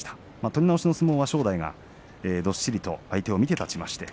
取り直しの相撲は正代がどっしりと相手を見て立ちました。